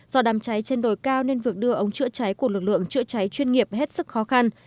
do đám cháy trên đồi cao nên việc đưa ống chữa cháy của lực lượng chữa cháy chuyên nghiệp hết sức khó khăn